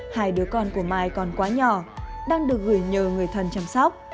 hai đứa con của mai còn quá nhỏ đang được gửi nhờ người thân chăm sóc